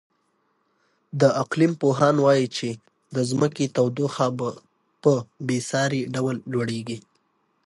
د اقلیم پوهان وایي چې د ځمکې تودوخه په بې ساري ډول لوړېږي.